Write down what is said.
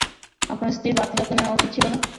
আপনার স্ত্রীর বাড়তি যত্ন নেওয়া উচিত ছিল না?